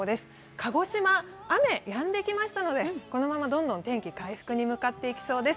鹿児島は雨がやんできましたので、このままどんどん天気は回復に向かっていきそうです。